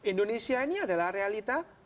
indonesia ini adalah realita